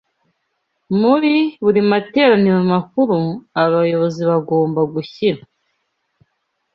Muri buri materaniro makuru, abayobozi bagomba gushyira